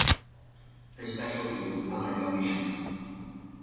Her specialty was pelargonium.